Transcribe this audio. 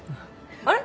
あれ？